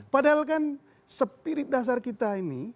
padahal kan spirit dasar kita ini